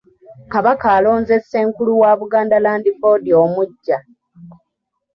Kabaka alonze Ssenkulu wa Buganda Land Board omuggya.